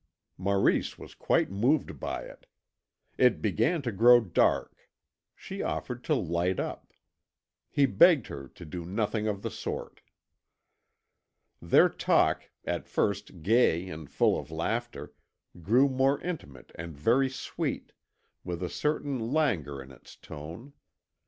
Maurice was quite moved by it. It began to grow dark; she offered to light up. He begged her to do nothing of the sort. Their talk, at first gay and full of laughter, grew more intimate and very sweet, with a certain languor in its tone.